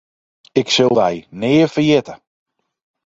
Ik sil dy nea ferjitte.